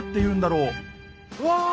うわ！